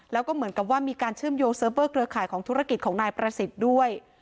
แล้วก็เหมือนกับว่ามีการเชื่อมโยงเซิร์ฟเวอร์เครือข่ายของธุรกิจของนายประสิทธิ์ด้วย